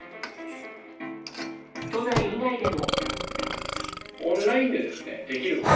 都内以外でも。